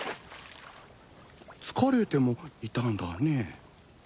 疲れてもいたんだね。